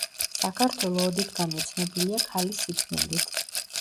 საქართველო ოდითგანვე ცნობილია ქალის სიწმინდით.